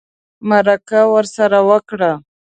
مرکه ورسره وکړه